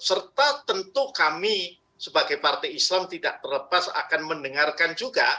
serta tentu kami sebagai partai islam tidak terlepas akan mendengarkan juga